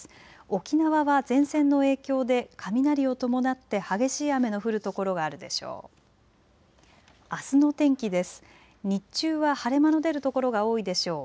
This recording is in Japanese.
沖縄は前線の影響で雷を伴って激しい雨の降る所があるでしょう。